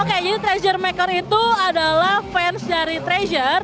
oke jadi treasure maker itu adalah fans dari treasure